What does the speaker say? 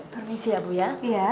permisi ya bu ya